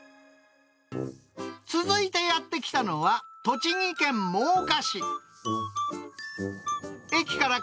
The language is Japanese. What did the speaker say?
続いてやって来たのは、栃木県真岡市。